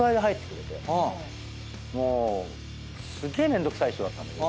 もうすげえめんどくさい人だったんだけど。